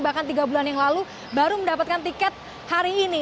bahkan tiga bulan yang lalu baru mendapatkan tiket hari ini